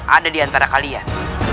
ada diantara kalian